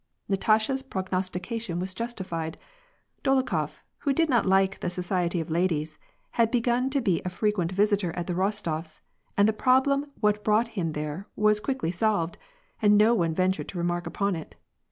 Natasha's prognostication was justified. Dolokhof, who did not like the society of ladies, had begun to be a frequent visitor at the Rostofs', and the problem what brought him there was quickly solved, though no one ventured to remark upon it.